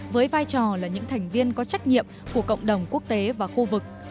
với vai trò là những thành viên có trách nhiệm của cộng đồng quốc tế và khu vực